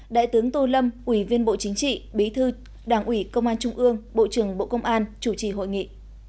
đại tướng tô lâm ủy viên bộ chính trị bí thư đảng ủy công an trung ương bộ trưởng bộ công an chủ trì hội nghị